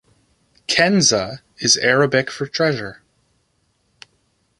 "Kenza" is Arabic for treasure.